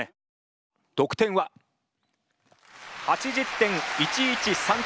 得点は８０．１１３点。